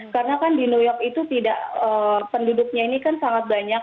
karena kan di new york itu tidak penduduknya ini kan sangat banyak